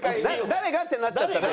誰が？ってなっちゃったら。